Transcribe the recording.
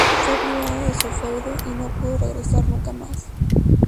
Fue privado de su feudo y no pudo regresar nunca más.